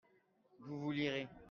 vous, vous lirez.